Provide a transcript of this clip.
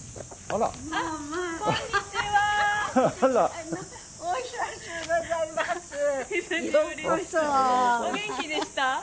お元気でした？